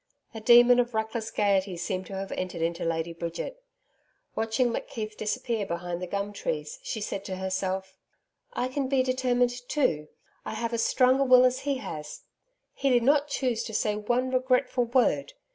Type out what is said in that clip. A demon of reckless gaiety seemed to have entered into Lady Bridget. Watching McKeith disappear behind the gum trees, she had said to herself: 'I can be determined, too. I have as strong a will as he has. He did not choose to say one regretful word.